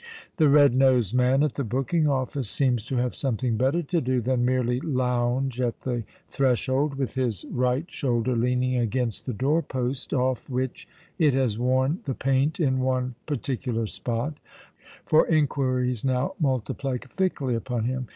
The red nosed man at the booking office seems to have something better to do than merely lounge at the threshold, with his right shoulder leaning against the door post off which it has worn the paint in one particular spot: for inquiries now multiply thickly upon him.